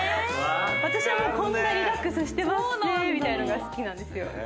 私はもうリラックスしてまっせみたいなのが好きなんですよ。